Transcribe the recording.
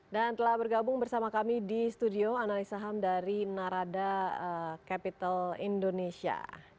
dan telah bergabung bersama kami di studio analis saham dari narada capital indonesia